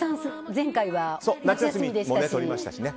前回は夏休みでしたよね。